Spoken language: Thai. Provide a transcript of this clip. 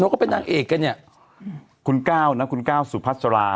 ก็เป็นนางเอกกันเนี่ยคุณก้าวนะคุณก้าวสุพัสรา